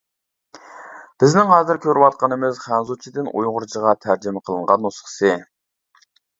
بىزنىڭ ھازىر كۆرۈۋاتقىنىمىز خەنزۇچىدىن ئۇيغۇرچىغا تەرجىمە قىلىنغان نۇسخىسى.